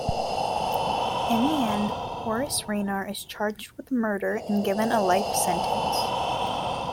In the end, Horace Rayner is charged with murder, and given a life sentence.